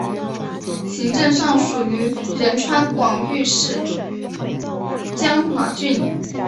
行政上属于仁川广域市江华郡。